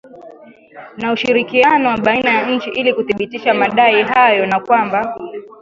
na ushirikiano wa baina ya nchi ili kuthibitisha madai hayo na kwamba